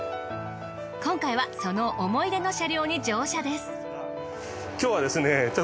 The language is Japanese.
今回はその思い出の車両に乗車です。